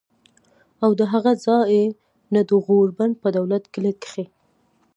او د هغه ځائے نه د غور بند پۀ دولت کلي کښې